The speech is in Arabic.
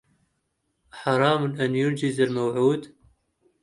أحرام أن ينجز الموعود